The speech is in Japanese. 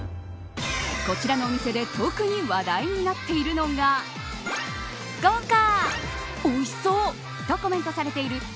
こちらのお店で特に話題になっているのがとコメントされている。